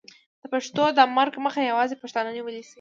د پښتو د مرګ مخه یوازې پښتانه نیولی شي.